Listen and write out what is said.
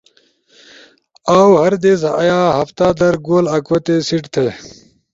اؤ ہردیس یا ہفتہ در گول آکوتے سیٹ تھے۔